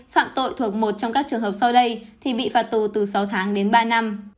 phạm tội thuộc một trong các trường hợp sau đây thì bị phạt tù từ sáu tháng đến ba năm